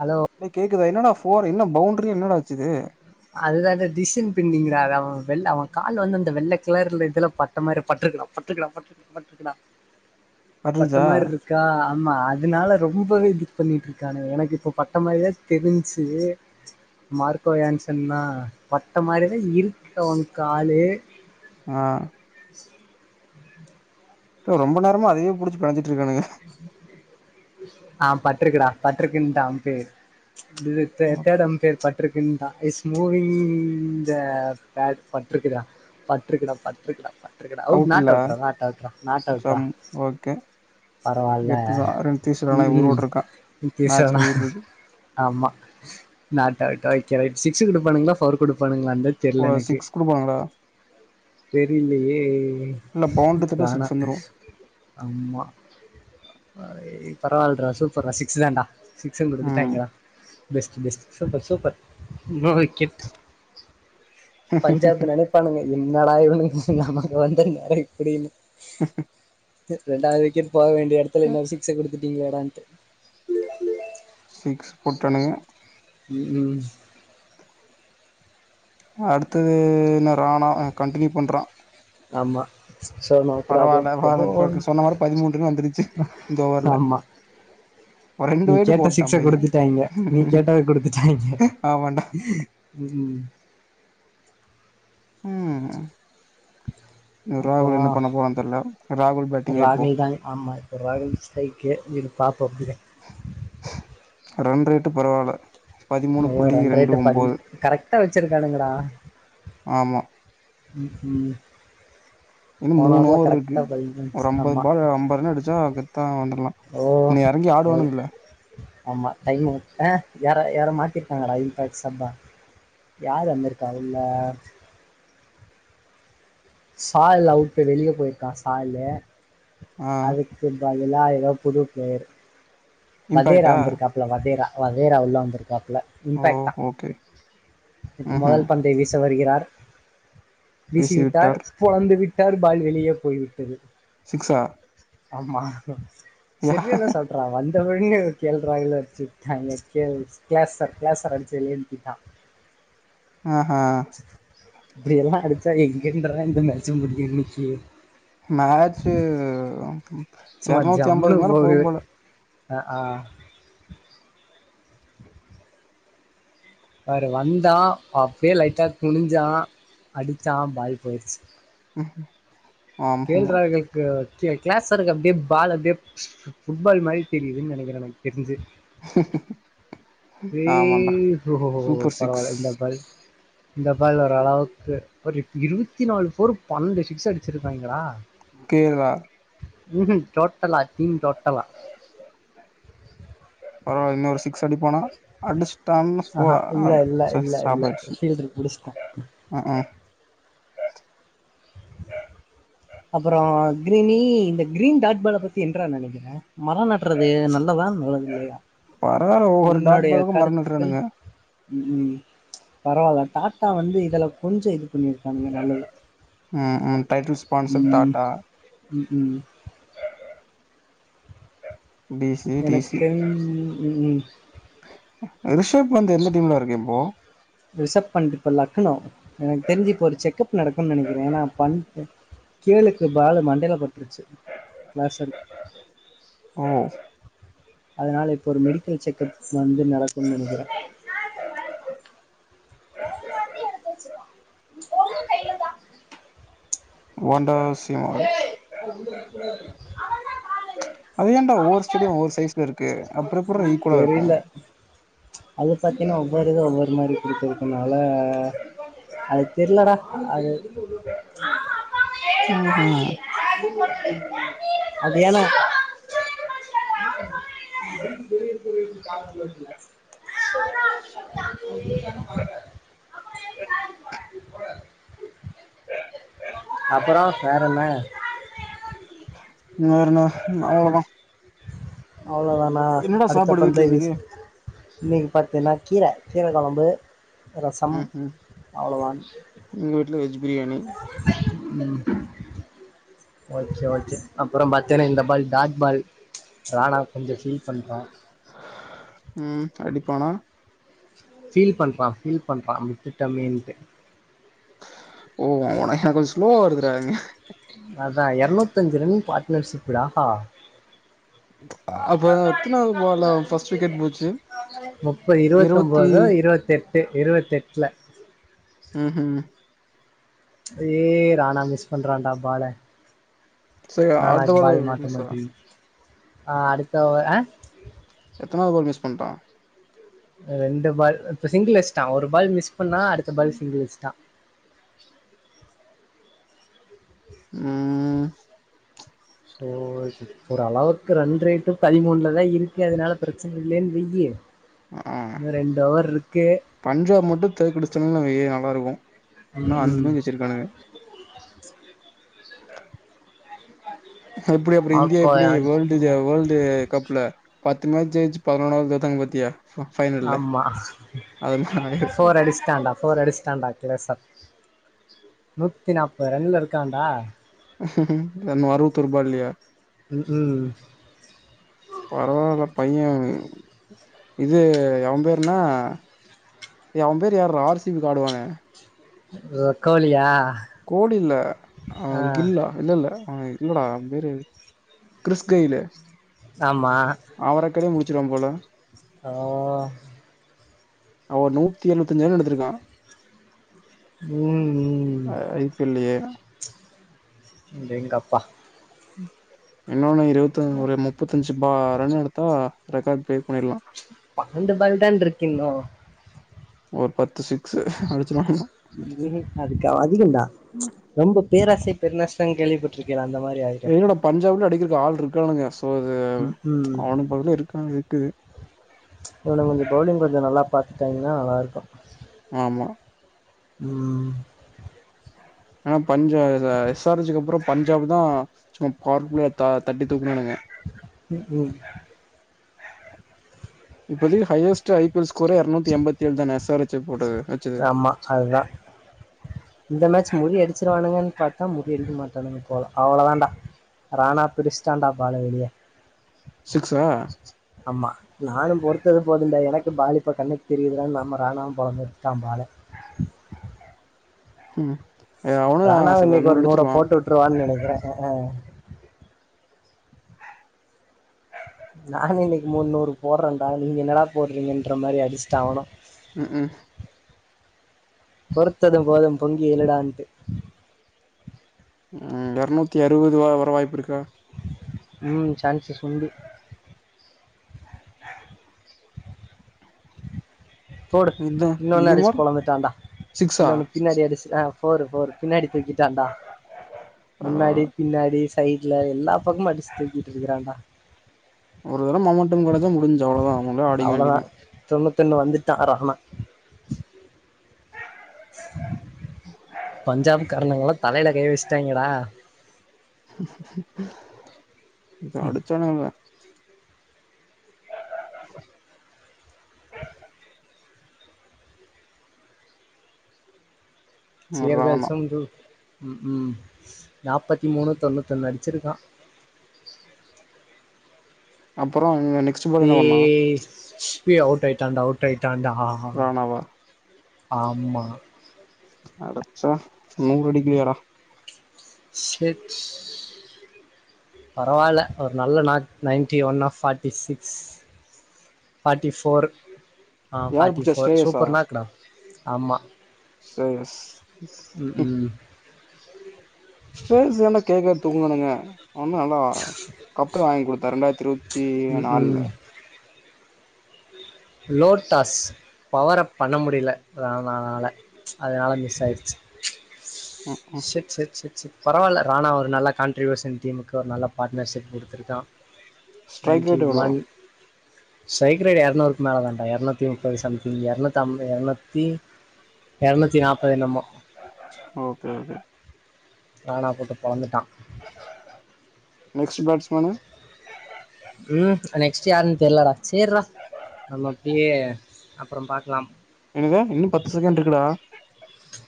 hello நீ கேக்குதா என்னடா போர் என்ன பவுண்ரி என்னட அதுதான் த டிசன் [unintelligible] வெள்ள அவன் கால வந்து அந்த வெள்ள கிளர்ல இதுல பட்ட மாரி பட்ருக்குடா பட்ருக்குடா பட்ருக்குடா பட்ருக்குடா பட்ட வர்லிச்சா மாரிருக்கா ஆமா அதனால ரொம்பவே இது பண்ணிட்டு இருக்கான எனக்கு இப்ப பட்ட மாதிரிதான் தெரிஞ்சு மார்க் இப்பயான் சொன்னா பட்ட மாரிதான் இருக்கு ஓன் காலு ஆஹ் உ ரொம்ப நேரமா அதையவே புடிச்சு பெனஞ்சிட்டு இருக்கானுங்க ஆஹ் பட்ருக்குடா பட்ருக்கு தான் பேர் இது தேர்டு அம்பேர் ப பட்ருக்குன்டா இஸ் மூவிங் இந்த பேட் பட்டிருக்கிதா பட்டிருக்கிதா பட்டிருக்கிதா பட்டிருக்கிதா அவுட் நாட் அவுட் நாட் அவுட்தா நாட் அவுட்தா சம் ஓகே பரவால்ல கெத்துதா ரன்தீஸ் ராணா உம் உம் உயிரோட இருக்கா ம் கே மேட்ச்ல சனா உயிர் இருக்கு ஆமா நாட் கரெக்ட் கரெக்ட் சிக்ஸ் குடுப்பானுங்களா ஃபோர் குடுப்பானுங்களா அதா தெரியல ஓ எனக்கு சிக்ஸ் குடுப்பாங்களா தெரியலையே இல்ல பவுண்ட்ரி தட்டா தானா சிக்ஸ் வந்துரு ஆமா அஹ் பரவால்றா சூப்பர்டா சிக்ஸ் தாண்டா சிக்ஸ்ன் ம் குடுத்துட்டாங்களா பெஸ்ட் பெஸ்ட் சூப்பர் சூப்பர் கிட் பஞ்சாப் நினைப்பானுங்க என்னடா இவனுங் நமக்கு வந்து நேரோ இப்படி இழு ஹ ரெண்டாவது விக்கெட் போக வேண்டிய இடத்துல இன்னொரு சிக்ஸ் குடுத்து விட்டீங்ளேடான்ட்டு சிக்ஸ் போட்டானுக ம் ஹும் அடுத்தது ந ரானா கண்டினியூ பண்றான் ஆமா சோ நோ ப்ராப்ளம் ரொம்போ சொன்ன மாரி பதிமூணு ரன் வந்துருச்சு இந்த ஓவர்ல ஆமா ஒரு ரெண்டு நீ வைடு கேட்ட போட்டா சிக்ஸ பைய குடுத்துட்டாஙீக நீ கேட்டத குடுத்துட்டாஙீக ஆமாண்டா உம் உஹூம் அப்புறோ ராகுல் பேட்டிங்க இப்போ ராகுல்தா ஆமா இப்ப ராகுல் ஸ்ட்ரைக் பாப்போ அப்படியே ரண் ரேட்டு பரவால்ல ஓ பதிமூணு புள்ளி ரன் ரெண்டு ரேட்டு பதி ஒம்போது கரெக்டா வச்சிருக்கானுங்கடா ஆமா உம் உம் இன்னு மூணு ஓவர் இருக்கு ரன்ஸ் ஒரு ஐம்பது ஆமா பால் ஐம்பது ரன் அடிச்சா கெத்தா வந்துடலா ஓ நீ இறங்கி ஓ ஆடுவானுங்கல்ல ஆமா டைம் ஓவர் எ யார் யாரோ மாத்திருக்காங்கடா இம்பாக்ட் சம்பா யாரு வந்திருக்கா உள்ள சாயல் அவுட்டு் வெளிய போயிருக்கான் சாய்லு ஆ அதுக்கு பதி லா ஏதோ புது பிளேயர் வதேரா இம்பாக்டா வந்திருக்காப்பல வதேரா வதேரா உள்ள வந்திருக்கா இல்ல ஓ இம்பேக்ட்தா ஓகே இப்ப ம்ஹும் முதல் பந்தை வீச வருகி சர் வீசி விட்டார் பொழந்து விட் டர்பால் வெளியே போய்விட்டது சிக்ஸா ஆமா யா செரியதா சொல்றா வந்து [unintelligible] கேள்றாள என்ன அடிச்சாட்டாங்க கேர்ள்ஸ் ஆஹா [unintelligible] இப்படி எல்லா அடுத் எங்கிருந்துடா இந்த மேட்ச் முடியு இன்னிக்கி மேட்சு சும்மா ஜம்முனு போகுது ஆஹ ஆ வேற வந்தான் அப்பயே லைட்டா குனிஞ்சா அடிச்சா பால் போயிருச்சு உ கேள்றா எங்க ட்டே க்ளாஸ் எனக்கு அப்டியே பால் அப்டியே புஃட் பால் மாரி தெரியுதுனு நெனைக்கேன் எனக்கு தெருஞ்சு ஆமாண்டா [unintelligible] சூப்பர் சிக்ஸ் பரவாயில்ல இந்தா பால் இந்த பால் ஓரளவுக்கு ஒரு இருபத்தி நாலு போர் பன்னெண்டு சிக்ஸ் அடிச்சிருப்பாங்களா கேரளா உம்ஹீம் டோடல்லா டீம் டோட் பரவால இன்னொரு சிக்ஸ் அடிப்பானா அடிச்சுட்டான் ஆஹா ஃபோரு இல்ல இல்ல ச்சே இல்ல இல்ல ஸ்டாபாயிருச்சு ஃபீல்டு புடிச்சிட்டே அஹு அஹ உஹ அப்புறோ கிரீனி இந்த கிரீன் டாட்பால பத்தி என்ற நெனைக்கிறே மரம் நட்டுறது நல்லதா நல்லது இல்லையா பரவாயில்ல ஒவ்வொரு டாட் உன்னுடைய பாலுகு மர கருத்துக்கள் நட்டுறானுங்க பரவாயில்ல டாட்டா வந்து இதில கொஞ்சோ இது பண்ணியிருக்காங்கங்க நல்லது ம் ம் டைட்டில் ஸ்பான்சர் ம் டாட்டா ம்ஹூம் டி சி டி எனக் சி தெரிஞ் ம் ம் அதுஸ் ரிசப் அண்ட் இப்ப லக்னோ எனக்கு தெரிஞ்சு இப்ப ஒரு செக்ப் நடக்கும்னு நெனைக்கிறே ஏன்னா ப கேழுக்கு பாலு மண்டல பட்டுருச்சு [unintelligible] ஆஹ் அதனால இப்ப ஒரு மெடிக்கல் செக்கப் வந்து நடக்கும்னு நெனைக்கிறே பொழுது கைல தா ஒண்டஸ் சிமாண்ட் அது ஏன்டா ஒவ்வொரு ஸ்டேடியம் ஒவ்வொரு சைஸ்ல இருக்கு அப்புறோ எப்புட்றா ஈக்குவலா இருக்கும் தெரில கொடுத்துருக்கனால அது தெரிலடா அது ம் ம் அது ஏனா அப்புறோ வேற என்ன வேறென்ன அவ்ளோதா அவ்வளோதானா என்னடா அடுத்த சாப்பாடு வீட்ல பந்தய இன்னைக்கு பேசு இன்னைக்கு பாத்தீன்னா கீர கீரக் கொழம்பு ரசம் ம் அவ்ளதா ட்ல வெஜி உம் ஓகே ஓகே அப்புறோ பாத்தேனா இந்த பால் டாட் பால் ராணா கொஞ்சம் ஃபீல் பண்றா உம் அப்டி போனா ஃபீல் பண்றா ஃபீல் பண்றா விட்டுட்டமேன்ட்டு ஓ ஒனக் [unintelligible] லோவா வருதுறா இங்க அதா எரநூத்தஞ்சு ரன் அடிச்சுருக்குடா அப்ப எத்தனாவது பால்ல ஃபர்ஸ்ட் விக்கெட் போச்சு முப்பது இருவத்தி இருவத்தொம்போதோ இருவத்தெட் டு இருவத்தெட்டுல உஹம் ஏ ரானா மிஸ் பண்றான்டா பால சரி அடுத்த வாரம் ச ஆஹ் அடுத்த ஆஹ் எத்தனாவது பால் மிஸ் பண்ட்டான் ரெண்டு பால் இ சிங்கிள் அடிஸ்டான் ஒரு பால் மிஸ் அப்பனா அடுத்த பால் சிங்கில்ஸ் தான் [inaudible] உம் சோ ஒரு அளவுக்கு ரன் ரேட்டு பதிமூணுலதான் இருக்கு அதனால பிரச்சனை இல்லையேன்னு வெய்யி ஆஹ் இன்னு ரெண்டு ஓவர் இருக்கு பஞ்சாப் மட்டும் தோக்கடிச்சோம்னு வையி வரும் ம் இன்னும் ம் அந்து வச்சிருக்கானுங்க எப்படி அப்புறம் இந்தியா எப்படி மாக்கோயான் வேர்ல்டு வேர்ல்டு கப்ல பத்து மேட்ச் ஜெயிச்சு பதினொண்னாவது வந்தாங்க பாத்தியா ஃப ஃபைனல்ல ஆமா அது மாரி ஆயிருக்கு ஃபோர் அடிஸ்டாண்டா போர் அடிஸ்டாண்டா க்ளஸர் நூத்தி நாப்பது ரன்ல இருக்கான்டா என்ன அறுவத்தொரு பால் லயா உம் உம் பரவால்ல பைய இது எவம் பேருனா டே அவம் பேரு யார்றா ஆர் சி பி கு ஆடுவானே லக்கோலியா கோலி இல்ல அ கில் லா இல்ல இல்ல ஆஹ இல்லடா அவம்பேரு கிறிஸ்கெய்ல் ஆமா ச்சிருவாம் போல ஆஹ் அவ ஒரு நூத்தி எழுவத்தஞ்சு ரன் எடுத்துருக்கா உம் இப்பில்லையே ந்த எங்க அப்பா ம் இன்னொன்னு இருபத்த ஒரு முப்பத்தஞ்சு பா ரன் எடுத்தா ரெக்கார்ட் ப்ரேக் பண்ணிடலா பண்ணென்டு பால் தான இருக்கின்னோ ஒரு பத்து சிக் ஏ அதுக்கு அவ அதிகன்டா ரொம்ப பேராசை பெருநஷ்டன்னு கேள்விப்பட்டுருக்கிள அந்த மாரி ஆயிரு இல்லட பஞ்சாப்லயு அடிக்கறதுக்கு ஆள் இருக்கானுங்க சோ அது ம் ம் அவனு [unintelligible] இருக்கா இருக்கு இவனுங்க கொஞ்சோ பவுலிங் கொஞ்சோ நல்லா பாத்துட்டாங்கன்னா நல்லா இருக்கு ஆமா ம் ஆனா பஞ்சா இல்ல எஸ் ஆர் ஹெச் க்கு அப்புறோ பஞ்சாப் தா சும்மா பவர் பிளேயத் தா தட்டி தூக்குனானுங்க ம் ம் இப்பதைக்கு ஹையஸ்ட் ஐ பி எஸ் கூற எரநூத்தி எம்பத்தி ஏழு தா எஸ் ஆர் ஹெச் போட்டது வச்சது ஆமா அதுதா இந்த மேட்ச் மொழி அடிச்சிருவானுகன்னு பாத்தா மொழி எழுக்க மாட்டானுங்க போல அவ்ளோதான்டா ரானா பிரிச்சுட்டான்டா பால வெளிய சிக்ஸா அம்மா நானு பொறுத்தது போதுன் டா எனக்கு பாலிப்ப கண்ணுக்கு தெரியுதுடான்னு நம்ம ராணாவு பொழம்ப வச்சுட்டாம் பால ம் அவனு ரானாவு இன்னக்கு நூறு ஒரு நூர அடிச்சிருவா போட்டு விட்டுருவான்னு நெனைக்கிறே ஆ ஆ நானு இன்னக்கு முண்ணூறு போடுறேன்டா நீங்க என்னடா போடுறீங்கன்ற மாரி அடிச்சுட்டா அவனு ம் ம் பொறுத்தது போதும் பொங்கி எழுடான்ட்டு ம் எரநூத்தி அறுவது வ வர வாய்ப்பு இருக்கா ம் சான்சஸ் உண்டு போடு இதா இன்னொன்னு இது அடிச்சு மாரி பொழந்துட்டான்டா சிக்ஸா இன்னொன்னு பின்னாடி அடிச்சு ஆ ஃபோரு ஃபோரு பின்னாடி தூக்கிட்டான்டா பரவால்ல முன்னாடி பின்னாடி சைட்ல எல்லா பக்கமு அடிச்சு தூக்கிட்டு இருக்கிறான்டா ஒரு தடம் மொமண்டம் கெடஜா முடிஞ்சு அவ்ளோதா [unintelligible] அடிக்க வேண்டி தா தன்னு வந்துட்டா அ ரஹனா பஞ்சாப் காரங்கல்லா தலையல கை வச்சுட்டாங்கடா இது அடிச்சானுங்ஹல்ல சியர் ராணா கேல்சும் து ம் ம் நாப்பத்தி மூணு தொண்ணூத்தி ஒன்னு அடிச்சிருக்கா அப்புறோ இவ நெக்ஸ்ட் பால் என்ன பண்ணா பெஸ் ச் அவுட் ஆய்ட்டான்டா அவுட் டாண்டா ராணாவா ஆமா அடுச்சா நூறு [unintelligible] செட் பரவால்ல ஒரு நல்ல நா நைன்டி ஒன் ஆ ஃபார்ட்டி சிக்ஸ் ஃபாட்டி ஃபோர் ஆஹ் யார் ஃபாட்டி புடிச்சா ஃபோர் சூப்பர் நாக்டா ஆமா உ ம் ம் சுரேச ஏண்டா கேக்க தூக்கனானுங்க அவனு நல்லா கப்புல வாங்கி குடுத்தா ரெண்டாயிரத்தி இருவத்தி ம் நால்லுல ம் லோட்டாஸ் பவரப் பண்ண முடில அதனனால அதனால மிஸ் ஆயிடுச்சு ம் ம் செர் செர் செர் செரி பரவால்ல ராணா ஒரு நல்ல கான்ட்ரிபியூஷன் டீமுக்கு ஒரு நல்ல பார்ட்னர்ஷிப் குடுத்துருக்கா ஸ்ட்ரைக் நைன்ட்டி ரேட் எவ்ளோ வொன் ஸ்ரைக் ரேட் எரநூறு மேலே தாண்டா எரநூத்தி முப்பது சம்திங் எருநூத்தம்ப எரநூத்தி எரநூத்தி நாப்பது என்னமோ ஓகே ஓகே ராணா போட்டு பொளந்துட்டான் நெக்ஸ்ட் பேட்ஸ்மன் ம் நெக்ஸ்ட் யாருன்னு தெரிலடா சேர்ரா நம்ம அப்டியே அப்ரொ பாக்லாம் என்னது இன்னு பத்து செகண்ட் இருக்குடா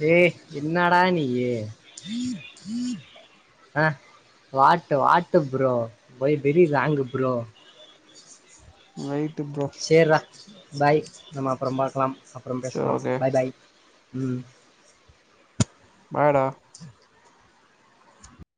டே என்னடா நீயு அஹ் what what bro why very wrong bro wait bro சேர்ரா பாய் நம்ம அப்றம் பாக்லாம் அப்புறம் சரி பேசலாம் ஓகே பாய் பாய் ம் பாய் டா